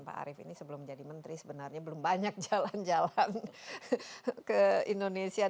pak arief ini sebelum jadi menteri sebenarnya belum banyak jalan jalan ke indonesia